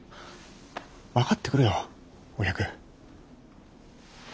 分かってくれよお百。